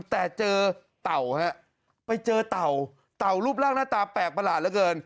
แต่เจอเต่าฮะไปเจอเต่าเต่ารูปร่างหน้าตาแปลกประหลาดเหลือเกิน